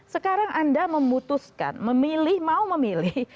sekarang anda memutuskan memilih mau memilih